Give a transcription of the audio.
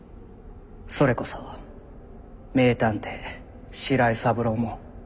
それこそ名探偵白井三郎も。